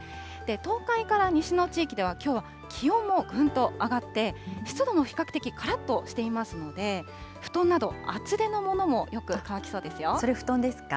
東海から西の地域では、きょうは気温もぐんと上がって、湿度も比較的からっとしていますので、布団など厚手のものもよく乾きそうそれ、布団ですか？